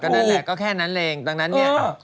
นั่นแหละก็แค่นั้นเองดังนั้นเนี่ย